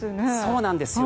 そうなんですよ。